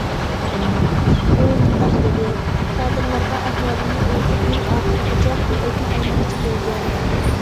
ئۇ مۇنداق دېدى: كادىرلارغا ئەھۋالىمنى ئېيتىپ، يىل ئاخىرىغىچە پۇل ئۆتنە ئالماقچى بولدۇم.